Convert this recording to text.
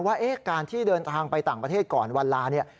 ว่าการที่เดินทางไปต่างประเทศก่อนวันลาเนี่ย